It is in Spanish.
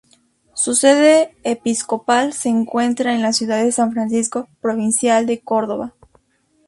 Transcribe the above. Su sede episcopal se encuentra en la ciudad de San Francisco, provincia de Córdoba.